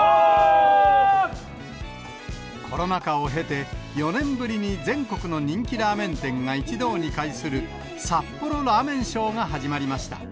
コロナ禍を経て、４年ぶりに全国の人気ラーメン店が一堂に会する札幌ラーメンショ